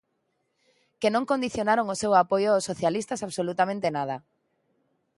Que non condicionaron o seu apoio aos socialistas absolutamente nada.